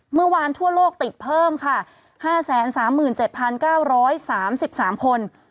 เมื่อวานทั่วโลกติดเพิ่มค่ะ๕๓๗๙๓๓คน